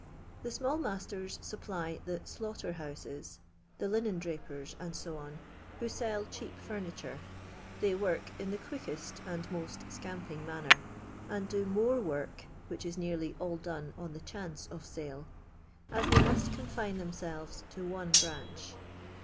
The small masters supply the '* slaughter houses," the linen drapers, kc, who sell cheap furniture; they work in the quickest and most scamping manner, and do more work (which is nearly all done on the chance of sale), as they must contine themselves to one branch.